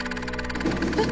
えっ。